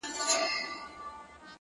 د شیخانو په محل کي محفل جوړ دی د رندانو